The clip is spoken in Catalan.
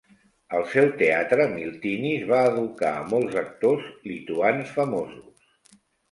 Al seu teatre, Miltinis va educar a molts actors lituans famosos.